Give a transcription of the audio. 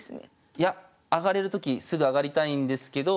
いや上がれるときすぐ上がりたいんですけど。